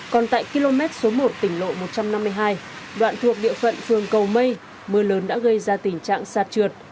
còn tại km số một tỉnh lộ một trăm năm mươi hai đoạn thuộc địa phận phường cầu mây mưa lớn đã gây ra tình trạng sạt trượt